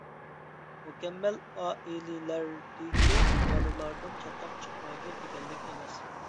مۇكەممەل ئائىلىلەردىكى بالىلاردىن چاتاق چىقمايدۇ دېگەنلىك ئەمەس.